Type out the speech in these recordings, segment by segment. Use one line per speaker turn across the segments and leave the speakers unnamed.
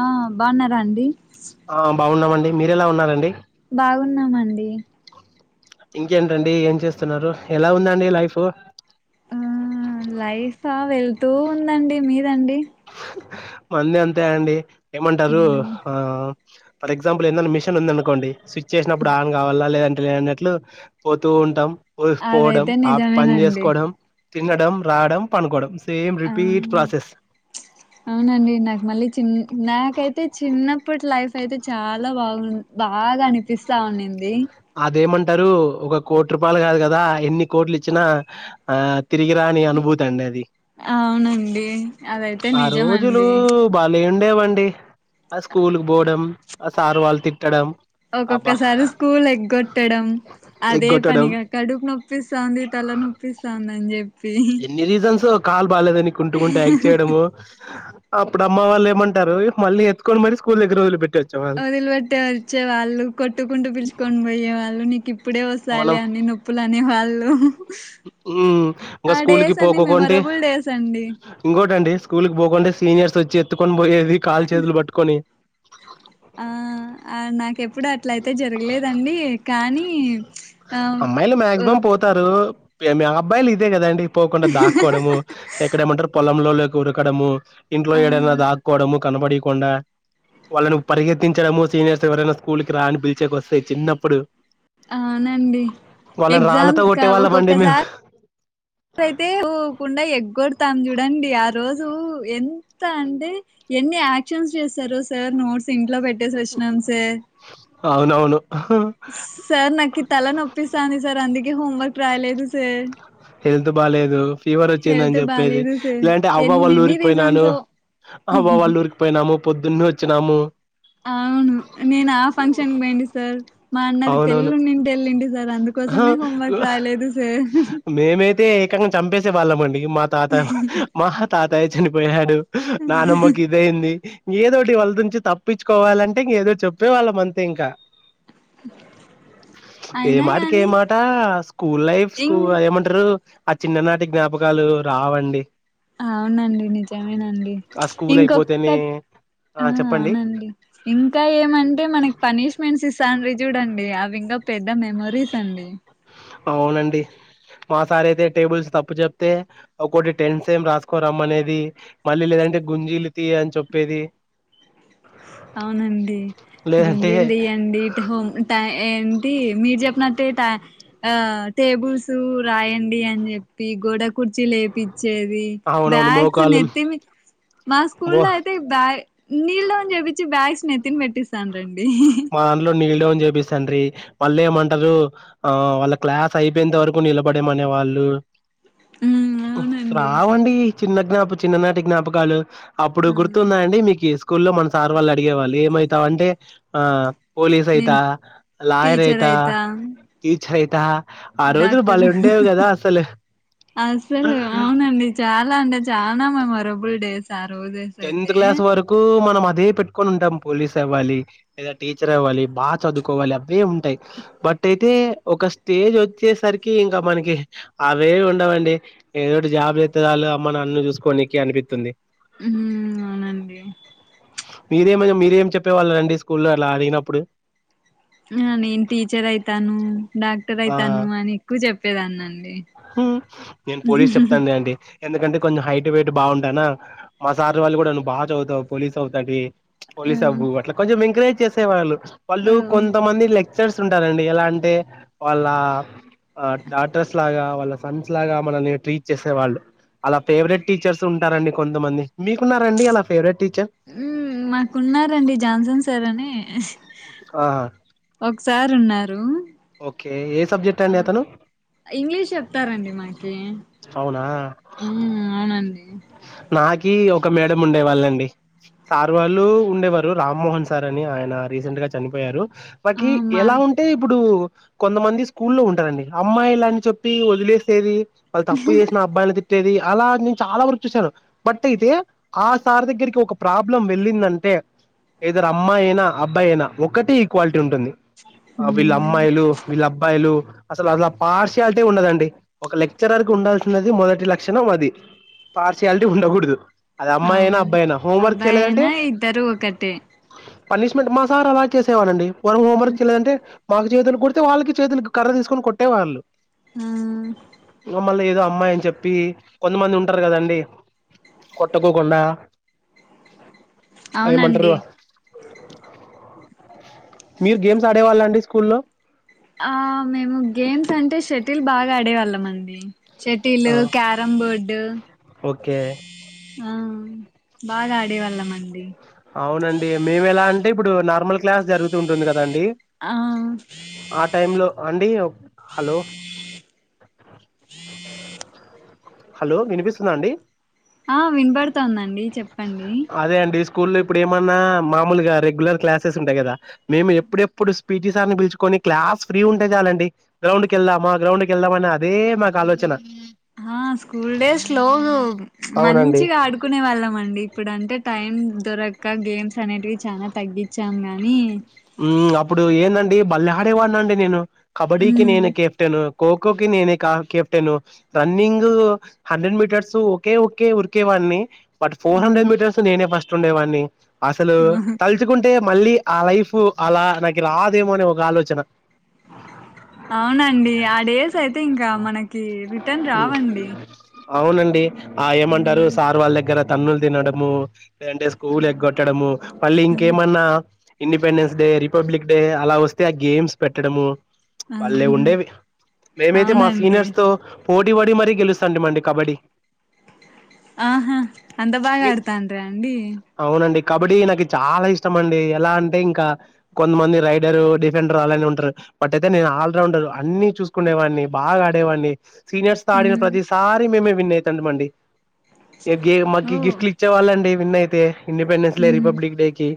ఆ బాగున్నారా అండి
ఆ బాగున్నామండి మీరెలా ఉన్నారండి
బాగున్నామండి
ఇంకేంటండి ఏం చేస్తున్నారు ఎలా ఉందండి లైఫ్
ఆ లైఫా వెళ్తూ ఉందండి మీదండి
మంది అంతే అండి ఏమంటారు ఆ ఫర్ ఎగ్జాంపుల్ ఏమన్నానా మిషన్ ఉంది అనుకోండి స్వి చేసినప్పుడు ఆన్ కావాలా లేదంటే లే అన్నట్లు పోతూ ఉంటాం పో పోవడం
అదైతే
ఆ పని
నిజమేనండి
చేసుకోవడం తినడం రావడం పనుకోవడం సేమ్
ఆ
రిపీట్ ప్రాసెస్
అవునండి నాకు మళ్ళీ చి నాకైతే చిన్నప్పట్లా లైఫ్ అయితే చాలా బాగుంది బాగా అనిపిస్తా ఉన్నింది
అంటారు ఒక కోటి రూపాయలు కాదు కదా ఎన్ని కోట్లు ఇచ్చినా ఆ తిరిగిరాని అనుభూతి అండి అది.
అవునండి అదైతే
ఆ రోజులు
నిజమండి
బలే ఉం డేవండి ఆ స్కూల్కి పోవడం ఆ సారు వాళ్ళు తిట్టడం అబ్బా
ఒక్కొక్కసారి స్కూల్ ఎగ్గొట్టడం అదే
ఎగ్గొట్టడం
పనిగా కడుపు నొప్పిస్తాంది తల నొప్పిస్తాంది అని చెప్పి
ఎన్ని రీజన్ సో బాలేదని కుంటుకుంట యాక్ట్ చేయడము అప్పుడు అమ్మ వాళ్లు ఏమంటరు మళ్ళీ ఎత్తుకొని మరి స్కూల్ దగ్గర వదిలి పెట్
వదిలిబెట్టే వచ్చే వాళ్ళు కొట్టుకుంటూ పిలుచుకొని పోయే వాళ్ళు నీకు ఇప్పుడే వస్తాయిలె అన్ని నొప్పులు అనే వాళ్ళు
హు ఇంకా
ఆ
స్కూల్కి
డేస్ అన్ని
పోకోకుంటే
మెమొరబుల్ డేస్ అండి
ఇంకోటండి స్కూల్కి పోకుంటె సీనియర్స్ వచ్చి ఎత్తుకొని పోయేది కాలు చేతులు పట్టుకొని
ఆ నాకెప్ ప్పుడు అట్ల అయితే జరగలేదండి కానీ ఈవ్
అమ్మాయిలు మాక్సిమం పోతారు పియండి అబ్బాయిలు ఇదే కదండి పోకుండా దాక్కోవడము ఎక్కడ ఏమంటారు పొలంలో లేక ఉరకడము ఇంట్లో
ఆ
ఏడైనా దాక్కోడము కనపడీకుండా వాళ్ళను పరిగెత్తించడము సీనియర్స్ ఎవరైనా స్కూల్కి రా అని పిలిచేకి వస్తే చిన్నప్పుడు
అవునండి
వాళ్ళని
ఎగ్జామ్
రాళ్ళతో
కా
కొట్టే వాళ్ళమండి మేము
ఒక్కొక్కసారి అయితే పోకుండా ఎగ్గొడ్ తాను చూడండి ఆ రోజు ఎంత అంటే ఎన్ని యాక్షన్స్ చేస్తారో సార్ నోట్స్ ఇంట్లో పెట్ ట్టేసి వచ్చినాం సార్
అవునవును
సార్ నాకి తల నొప్పిస్తాంది సార్ అందుకే హోంవర్క్ రాయలేదు సార్
హెల్త్ బాలేదు ఫీవర్
హెల్త్
వచ్చిందని చెప్పేది
బాలేదు సార్
లేంటే అవ్వ వాళ్ళ
ఎన్నెన్ని
ఊరికి పోయినాను
రీజన్సో
అవ్వ వాళ్ళ ఊరికి పోయినాము పొద్దున్న వచ్చినాము
అవును నేను ఆ ఫంక్షన్ పోయింటి సార్ మా అన్నది
అవునవును
పెళ్లున్నింటె వెళ్ళింటి సార్ అందుకోసమే హోంవర్క్ రాయలేదు సార్
కంగా చంపేసే వాళ్ళమండి మా తాత మహ తాతయ్య చనిపోయాడు నానమ్మకి ఇదయింది ఏదోటి వాళ్ళు నుంచి తప్పించు కోవాలంటే ఇంక ఏదో చెప్పే వాళ్ళమంతే ఇంకా ఏ
అయినా
మాటకి ఏ
గాని
మాట స్కూల్ లైఫ్
ఇం
స్కూ అమంటారు ఆ చిన్ననాటి జ్ఞాపకం రాలు రావండి
అవునండి నిజమేనండి
ఆ స్కూల్ అయిపోతేనే
ఇంకొకటి ఆ అవునండి ఇంకా ఏమంటే మనకి పనిష్మెంట్స్ ఇస్తాండ్రి చూడండి అవి ఇంకా పెద్ద మెమోరీస్ అండి
అవునండి మా సార్ అయితే టేబుల్స్ తప్పు చెప్తే ఒకటి టెన్ టైమ్స్ రాసుకోని రమ్మ అనేది మళ్ళీ లేదంటే గుంజీలు తీ అని చెప్పేది
అవునండి
లేదంటే
గుంజీలు తీయండి తో టై ఎన్ టీ మీరు చెప్పినట్టే టేబుల్స్ రాయండి అని చెప్పి గోడ కుర్చీ లేపిచ్చేది
అవునవును
బ్యాగ్స్
మోకాళ్ళు
నెత్తిమి మా స్కూల్
మో
లో అయితే బ్యా నీ బ్యాగ్స్ నెత్తిన పెట్టిస్తూ స్త రండి
చెప్పిస్తాండ్రి వాళ్ళ ఏమంటారు ఆ వాళ్ళ క్లాస్ అయిపోయే వరకు నిలబడేమనే వాళ్ళు
ఉమ్ అవునండి
రావు అండి చిన్న జ్ఞాప చిన్ననాటి జ్ఞాపకాలు అప్పుడు
అవును
గుర్తుంద అండి మీకి స్కూల్లో లో మన సార్ వాళ్ళు అడిగేళ్ళు ఏమవుతావ్ అంటే ఆ పోలీస్ యిత
నేను
లయర్
టీచర్
యిత
అయితా
టీచర్ యిత ద
డాక్టర్ అసలు అవునండి చాలా అంటే చాలా అమ్మా మరో ఫుల్డేస్
టెన్త్ క్లాస్ వరకు మనం అదే పెట్టుకొని ఉంటాం పోలీస్ అవ్వాలి లేదా టీచర్ అవ్వాలి బాగా చదువుకోవాలి అవే ఉంటాయి బట్ అయితే ఒక స్టేజ్ వచ్చేసరికి ఇంకా మనకి అవే ఉండవండి ఏదోటి జాబ్ ఎత్తదలో మన అన్ను చూసుకోడానికి అనిపిస్తుంది
అవునండి
మీరేమ మీరేం చెప్పేవాళ్ళ రండి స్కూల్లో అలా అదిగినప్పుడు
ఆ నేను టీచర్ అయితాను డాక్టర్
ఆ
అవుతాను అని ఎక్కువ చెప్
నేను పోలీస్ చెప్తాన అండి ఎందుకంటే కొంచెం హైట్ వెయిట్ బాగుంటానా మా సార్జ్ వాళ్ళు కూడా్ బాగా చదువుతావు పోలీస్ అవుతాటి పోలిసా
హ్మ్
బు అట్ల కొంచెం ఇంకరేజ్ త్య సేవలు వాళ్ళు
ఆ
కొంతమంది లెక్క సర్స్ ఉంటారండి ఎలా అంటే వాళ్ళ డాటర్స్ లాగా వాళ్ళ సన్స్ లాగా మనల్ని ట్రీట్ చేసేవాళ్ళు అలా ఫేవరెట్ టీచర్స్ ఉంటారండి కొంతమంది మీకున్నారండీ అలా ఫేవరెట్ టీచర్
ఉమ్ మాకున్నారండీ జాన్సన్ సారని
ఆహా
ఒకసార్ ఉన్నారు
ఓకే ఏ సబ్జెక్ట్ అండి అతను
ఇంగ్లీష్ చెప్తారంండి మాకి
అవునా
ఉమ్ అవునండి
నాకి ఒక మేడం ఉండే వాళ్ళండి సార్ వాళ్ళు ఉండేవారు రామ్మోహన్ సార్ అని ఆయన రీసెంట్ గా చనిపోయారు
ఆ
మాకి
మా
ఎలా ఉంటే ఇప్పుడు కొంతమంది స్కూల్లో ఉంటారండి అమ్మాయి ఇలా అని చెప్పి వదిలేసేది వాళ్ళు తప్పు చేసిన అబ్బాయిని ఏది అలా నేను చాలా వరకు చూసాను బట్ అయితే ఆ సార్ దగ్గరికి ఒక ప్రాబ్లం వెళ్ళిందంటే ఐదరు అమ్మాయయినా అబ్బాయయినా ఒకటే ఈక్వాలిటీ ఉంటుంది వీళ్ళ అమ్
మ్మ్
అమ్మాయిలు వీళ్ళ అబ్బాయిలు అసలు అలా పార్షియాలిటీ ఉండదండి ఒక లెక్చరర్ కి ఉండాల్సినది మొదటి లక్షణం అది పార్షియాలిటీ ఉండకూడదు అది అమ్మాయి అయినా
అవును
అబ్బాయి అయినా హోంవర్క్
అబ్బాయయినా
చేయలేదంటే
ఇద్దరూ ఒకటిే
పనిష్మెంట్ మా సార్ అలా చేసేవాళ్ళండీ మనం హోమ్వర్క్ చేయలేదంటే మాకు చేతులు కొడితే వాళ్ళకి చేతులుకి కర్ర తీసుకొని కొట్టే వాళ్ళు
ఆ
మమ్మల్ని ఇదా అమ్మాయి అని చెప్పీ, కొంతమంది ఉంటరు కదండీ కొట్టకోకుండా.
అవునండి.
[inaudible] మీరు గేమ్స్ ఆడేవాళ్లాండీ స్కూల్లో?
ఆ మేము గేమ్స్ అంటే ష్ షటిల్ బాగా ఆడేవాళ్ళమండి. షటిలు,
ఆ
క్యారంబోర్డు.
ఓకే
ఆ బాగా ఆడేవాళ్లమండి.
అవునండీ మేము ఎలా అంటే ఇప్పుడు నార్మల్ గ్ క్లాస్ జరుగుతూ ఉంటుంది కదండీ,
ఆ
ఆ టైంలో అండీ హలో హలో వినిపిస్తుందాండీ?
ఆ వినపడుతోందండీ చెప్పండీ.
అదే అండి స్కూల్లో ఎప్పుడు ఏమన్నా మామూలుగా రెగ్యులర్ క్లాసెస్ ఉంటాయి కదా, మేము ఎప్పుడెప్పుడు స్ పీటీ సార్ని పిల్చుకొని క్లాస్ ఫ్రీ ఉంటే చాలండి గ్రౌండ్ కెళ్దామా, గ్రౌండ్ కెళ్దాం అనె అదే మాకు ఆలోచన.
ఆ స్కూల్ డేస్ లో
అవునండి
మంచిగా ఆడుకునే వాళ్లం అండి. ఇప్పుడంటే టైమ్ దొరక్క గేమ్ స్ అనేటివి చానా తగ్గిచ్చాం గానీ.
హ్మ్మ్ అప్పుడు ఏందండీ బల్లే ఆడేవాడ్నండి నేను. కబడీకిి నేను కేప్తెను. ఖోఖో కి నేనే క కెప్టెను, రన్నింగ్ హండ్రెడ్ మీటర్సు ఒకే ఒకే ఉరికేవాడ్ని. బట్ ఫోర్ హండ్రెడ్ మీటర్స్ నేనే ఫష్ స్ట్ ఉండేవాడిని. అసలూ తల్చుకుంటే మళ్లీ ఆ లైఫ్ ఫు అలా నాకి రాదేమో అని ఒక ఆలోచన.
అవునండీ, ఆ డేస్ అయితే ఇంకా మనకీ రిటర్న్
ఉమ్.
రావండి.
అవునండి. ఆ ఏమంటారు
హ్మ్
సార్ వాళ్ల దగ్గర. తన్నులు తినడమూ అ అంటే స్కూల్ ఎగ్గొట్టడము. మల్లీ
హ్మ్
ఇంకేమన్నా independence day republic day అలా వస్తే ఆ గేమ్స్ పెట్టడమూ.
ఆ
బల్లే
హుహు
ఉండేవి. మేమైతే మా
అవునండి
సీనియర్స్ తో పోటీ పడి మరీ గెలుస్తాండి మండి కబడీ.
ఆహా అంత బాగా
మీ
అడతాంట్ర అండి
అవునండి కబడ్డీ నాకు చాలా ఇష్టం అండి ఎలా అంటే ఇంకా కొంతమంది రైడరు డిఫెండర్ అలానే ఉంటారు బట్ అయితే నేను ఆల్రౌండర్ అన్ని చూసుకునే వాడిని బాగా ఆడేవాడిని సీనియర్స్ తో ఆడిన ప్రతిసారి మేమే విన్ అయితంటిమి అండి ఇగ మాకి గిఫ్ట్లు ఇచ్చే వాళ్ళండి విన్నయితే ఇండిపెండెన్స్ డే
ఓ
రిపబ్లిక్ డేకి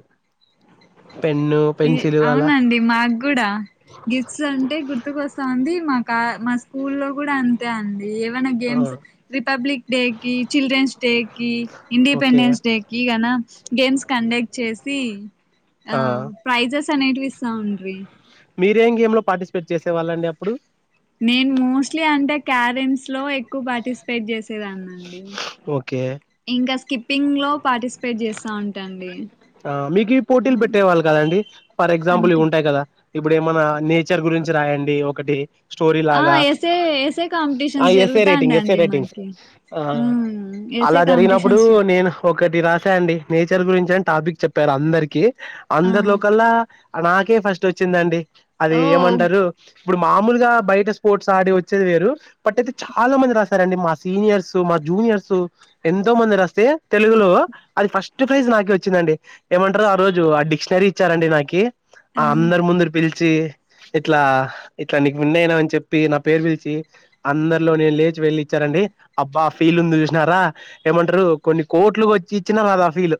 ఈ అవునండి మాకు గుడా గిఫ్ట్స్ అంటే గుర్తుకొస్తా ఉంది మాకు మా స్కూల్ లో గుడా అంత అంతే అండి ఏమైనా
ఆ
గేమ్స్ రిపబ్లిక్ డే కి చిల్డ్రన్స్ డే కి
ఓకే
ఇండిపెండెన్స్ డేకి గనా గేమ్స్ కండక్ట్ చేసి ఆ తినేటివి ఇస్తా ఉండ్రి
మీరేం గేమ్ లో పార్టిసిపేట్ చేసేవాళ్ళండి అప్పుడు
నేను మోస్ట్లీ అంటే క్యారమ్స్ లో ఎక్కువ పార్టిసిపేట్ చేస్తుండే దాని అండి
ఓకే
ఇంకా స్కిప్ స్కిపింగ్ లో పార్టిసిపేట్ చేస్త ఉంటాండి
ఆ మీకు పోటీలు
ఆ
పెట్టేవాళ్ళు కదండీ ఫర్ ఎగ్జాంపుల్ ఇవి
అంటే
ఉంటాయి కదా ఇప్పుడు ఏమన్నా నేచర్ గురించి రాయండి ఒకటి స్టోరీ
ఆ
లాగా
essay essay competitions
essay writing essay
జరుగుతాండండి
రైటింగ్
మాకి
ఆ
ఉమ్ ఎసే
అలా జరిగినప్పుడు
కాంపిటీషన్స్ జ
నేను ఒకటి రాస అండి నేచర్ గురించే టాపిక్ చెప్పారు అందరికి
ఆ
అందరి లోకల్లా నాకే ఫస్ట్ వచ్చిందండి అది
ఓ
ఏమంటారు ఇప్పుడు మామూలుగా బయట స్పోర్ట్స్ ఆడి వచ్చేది వేరు బట్ అయితే చాలా మంది రాసారండి మా సీనియర్స్ మా జూనియర్స్ ఎంతో మంది రాస్తే తెలుగులో అది ఫస్ట్ ప్రైజ్ నాకే వచ్ వచ్చిందండి ఏమంటారు ఆ రోజు ఆ డిక్షనరీ ఇచ్చారండి నాకి ఆ అందరు ముందర పిలిచి ఇట్లా ఇట్లా నీకు విన్ అయినా అని చెప్పి నా పేరు పిలిచి అందరిలో నేను లేచి వెళ్ళి ఇచ్చారండి అబ్బా ఆ ఫీల్ ఉంది చూసినారా ఏమంటారు కొన్ని కోట్లు వచ్చి ఇచ్చినా రాదు ఆ ఫీల్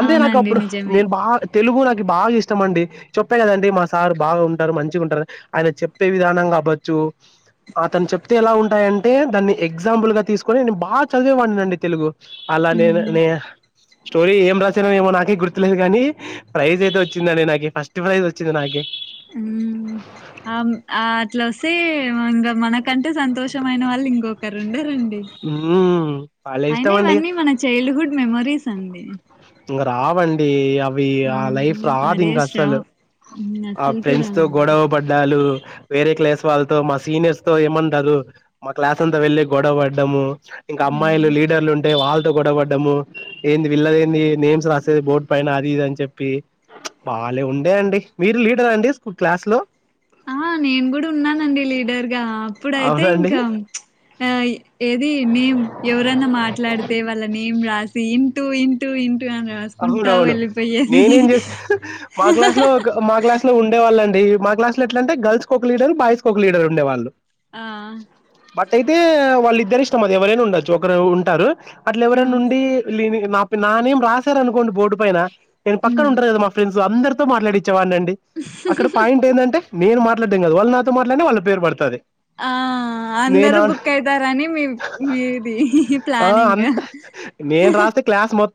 అంటే నాకు
అవునండి
అప్పుడు
నిజమే
నేను బాగా తెలుగు నాకు బాగా ఇష్టం అండి చెప్ప కదండి మా సారు బాగా ఉంటారు మంచిగా ఉంటారు ఆయన చెప్పే విధానం కావచ్చు అతను చెప్తే ఎలా ఉంటాయంటే దాన్ని ఎగ్జాంపుల్ గా తీసుకొని నేను బాగా చదివేవాడినండి తెలుగు అలా నేన
ఉహు
నే స్టోరీ ఏం రాస్ ఏమో నాకే గుర్తు లేదు కానీ ప్రైజ్ అయితే వచ్చిందండి నాకె ఫస్ట్ ప్రైజ్ వచ్చింది నాకె
ఉ ఆమ్ ఆ అట్లా వస్తే ఇంకా మనకంటే సంతోషమైన వాళ్ళు ఇంకొకరు ఉండరండి
ఉమ్ భలే
అయినా
ఇష్టం అండి
ఇవన్నీ మన చైల్డ్హుడ్ మెమరీస్ అండి
ఇంగా రావండి అ ఆ లైఫ్
హ్మ్. ఆ
రాదు ఇంకా
డేస్
అసలు
రావ్
ఆ
అస్సలుకి
ఫ్రెండ్స్ తో
రావండి
గొడవ పడ్డాలు వేరే క్లాస్ వాళ్ళతో మా సీనియర్స్ తో ఏమంటారు మా క్లాస్ అంతా వెళ్లి గొడవ పడ్డము ఇంకా అమ్మాయిలు
ఉమ్
లీడర్లు ఉంటే వాళ్ళ గొడవా పడ్డము ఏంది వీల్లద ఏంది నేమ్స్ రాసేది బోర్డు పైన అది ఇది అని చెప్పి బాలే ఉంది అండి మీరు లీడర్ అండి స్కూ క్లాస్ లో
ఆ ఇప్పుడైతే
అవునండి
ఇంకా ఆ ఏది నేమ్ ఎవరన్నా మాట్లాడితే వాళ్ళ నేమ్ రాసి టూ ఇంటూ ఇ
అవునవును నేనేం చేసా మా క్లాస్ లో ఒక మా క్లాస్ లో ఉండే వాళ్ళండి మా క్లాసులో ఎట్లా అంటే గర్ల్స్ ఒక లీడర్ బయ్స్ ఒక లీడర్ ఉండే వాళ్ళు
ఆ
అయితే వాళ్ళ ఇద్దరి ఇష్టం అది ఎవరైనా ఉండొచ్చు ఒకరు ఉంటారు అట్ల
ఆ
ఎవరైనా ఉంటే లేను నా నేం రాస్ ఆర్ అనుకోండి బోర్డు పైన నేను పక్కన
ఉమ్
ఉంటారు కదా మా ఫ్రెండ్స్ అందరితో మాట్లాడి వాండి అక్కడ పాయింట్ ఏంటంటే నేను మాత్ర వాళ్లు నాతో మాట్లాడి వాళ్ళ పేరు పడుతది
ఆ అందరూ బుక్ అయితారని మీ మీది
ఆ
ప్లానింగ్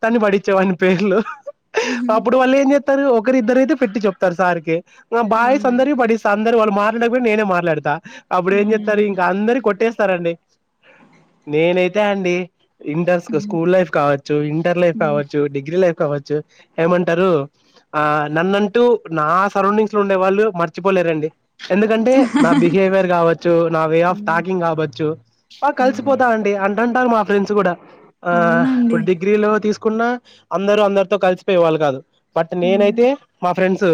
తని బడి చ్చవని పేర్లు అప్పుడు మళ్లీ ఏం చేస్తా రు ఒకరి ఇద్దరు అయితే పెట్టి చెప్తారు సార్ కి బాయ్స్
అవునండి
అందరూ పడేస్తాం అందరూ మాట్లాడకపోయినా నేనే మాట్లాడతా అప్పుడు ఏం
అవునండి
చేస్తారు ఇంకా అందరి కొట్టేస్త డి నేనైతే అండి ఇండస్క్
ఉమ్
స్కూల్ లైఫ్ కావచ్చు
ఉమ్
కావచ్చు డిగ్రీ కావచ్చు ఏమంటారు ఆ నన్నుంటూ నా సరౌండింగ్స్ లో ఉండే వాళ్ళు మర్చిపోలేరండి ఎందుకంటే నా బిహేవియర్ కావ
ఉమ్ ఉమ్
ఫ్రెండ్స్ కూడా ఆ
అవునండి
కున్నా అందరూ అందరితో కలిసిపోయే వాళ్ళు కాదు బట్
ఉమ్
నేనైతే మా ఫ్రెండ్స్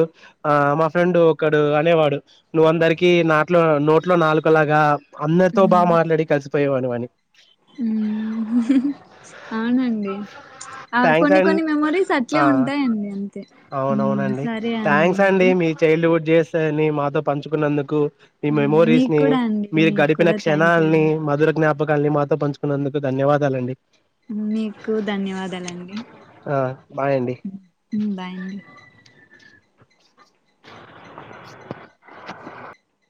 ఆ మా ఫ్రెండ్ ఒకడు అనేవాడు నువ్వు అందరికి నాట్లో నోట్లో నాలుకలాగా అందరితో బా
ఉమ్
మాట్లాడి కలిసి పోయేవాని వని
మ్మ్ [unintelligible] అవి
థ్యాంక్స్
కొన్ని
అండ్
కొన్ని మెమరీస్
ఆ
అట్లే ఉంటాయండి అంతే ఉమ్
అవునవునండి
సరే అండి మరి
జేస్తాయని మాతో పంచుకున్నందుకు మీ
హ్మ్.
మెమోరీస్
మీకు
ని
కూడా అండి
మీరు
మీకు
గడిపిన
కూడా థ్యాంక్ యూ
క్షణాల్ని
అండి
మధుర జ్ఞాప్ పకాల్ని మాతో పంచుకున్నందుకు ధన్యవాదాలండి
మీకు ధన్యవా వాదాలండి
ఆ బాయ్ అండి
ఉమ్ బాయ్ అండి